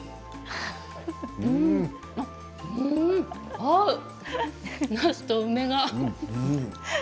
合う、なすと梅が。